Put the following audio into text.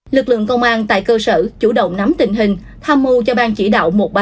lực lượng công an tại cơ sở chủ động nắm tình hình tham mưu cho bang chỉ đạo